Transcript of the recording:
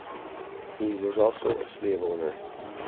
He was also a slave owner.